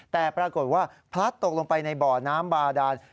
แต่ปรากฏว่าพลัดตกลงไปในบ่อน้ำบาดาน